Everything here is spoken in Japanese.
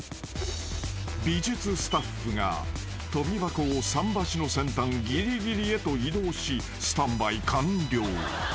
［美術スタッフが跳び箱を桟橋の先端ぎりぎりへと移動しスタンバイ完了］